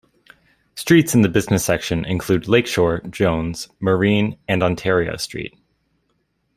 Streets in the business section include Lakeshore, Jones, Marine, and Ontario Street.